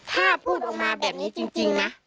ถ้าพูดออกมาแบบนี้จริงนะ